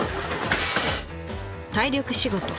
体力仕事。